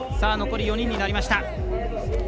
残り４人になりました。